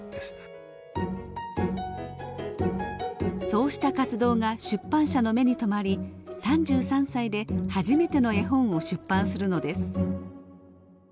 そうした活動が出版社の目に留まり３３歳で初めての絵本を出版するのです。